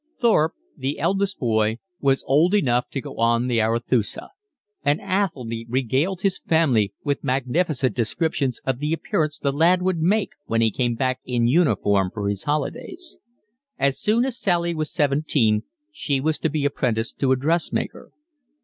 Thorpe, the eldest boy, was old enough to go on the Arethusa, and Athelny regaled his family with magnificent descriptions of the appearance the lad would make when he came back in uniform for his holidays. As soon as Sally was seventeen she was to be apprenticed to a dressmaker.